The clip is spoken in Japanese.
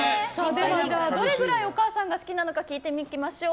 どれぐらいお母さんが好きなのか聞いていきましょう。